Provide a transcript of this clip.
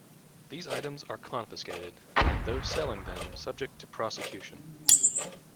These items are confiscated, and those selling them subject to prosecution.